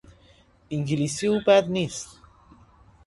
انگلیسی او بد نیست.